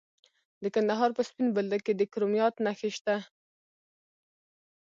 د کندهار په سپین بولدک کې د کرومایټ نښې شته.